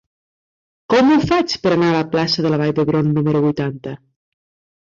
Com ho faig per anar a la plaça de la Vall d'Hebron número vuitanta?